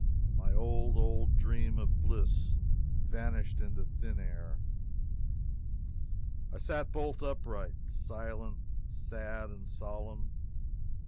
My old, old dream of bliss vanished into thin air! I sat bolt upright, silent, sad, and solemn.